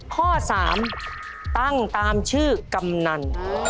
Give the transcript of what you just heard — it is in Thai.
ข้อ๓ตั้งตามชื่อกำนัน